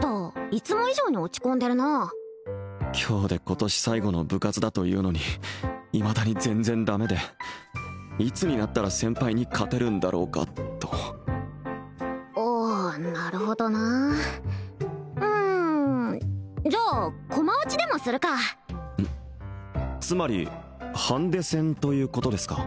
いつも以上に落ち込んでるな今日で今年最後の部活だというのにいまだに全然ダメでいつになったら先輩に勝てるんだろうかとあなるほどなうんじゃあ駒落ちでもするかつまりハンデ戦ということですか？